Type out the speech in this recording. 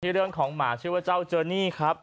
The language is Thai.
ที่เลือกของหมาชื่อว่าเจ้าเจอร์นี่ครับ